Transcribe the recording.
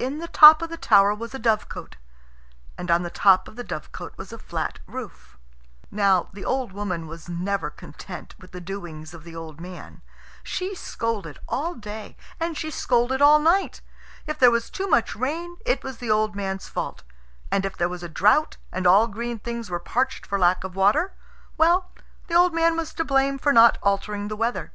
In the top of the tower was a dovecot, and on the top of the dovecot was a flat roof. Now, the old woman was never content with the doings of the old man. She scolded all day, and she scolded all night. If there was too much rain, it was the old man's fault; and if there was a drought, and all green things were parched for lack of water, well, the old man was to blame for not altering the weather.